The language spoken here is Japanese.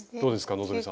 希さん。